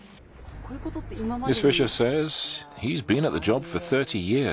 こういうことって今までに？